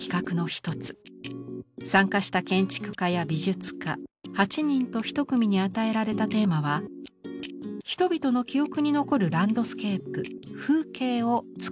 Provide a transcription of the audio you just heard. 参加した建築家や美術家８人と１組に与えられたテーマは「人々の記憶に残るランドスケープ”風景”を作ること」。